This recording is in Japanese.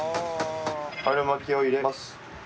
春巻を入れます。